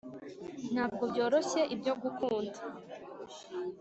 ntabwo byoroshye ibyo gukunda